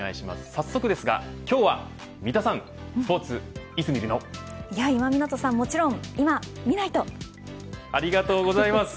早速ですが今日は三田さんスポーツ、いつ見るの今湊さん、もちろんありがとうございます。